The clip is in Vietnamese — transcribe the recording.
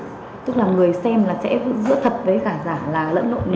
tức là người xem là sẽ giữa thật với cả giả